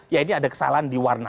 ya ini ada kesalahan di warna